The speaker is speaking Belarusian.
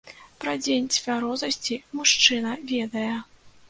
Пра дзень цвярозасці мужчына ведае.